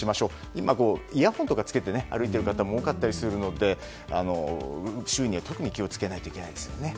今、イヤホンとかつけて歩いている人も多かったりするので周囲には特に気を付けないといけないですよね。